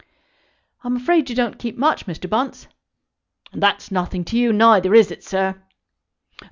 "I'm afraid you don't keep much, Mr. Bunce." "And that's nothing to you, neither, is it, sir?"